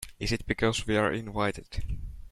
Is it because we are invited?